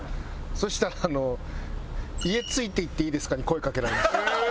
そしたらあの『家、ついて行ってイイですか？』に声かけられました。